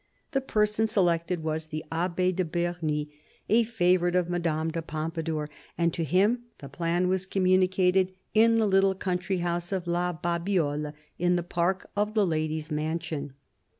The person selected was the Abbe* de Bernis, a favourite of Madame de Pompadour, and to him the plan was communicated in the little country house of La Babiole in the park of the lady's mansion.